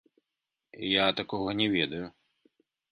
Я такога не ведаю!